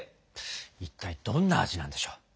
一体どんな味なんでしょう。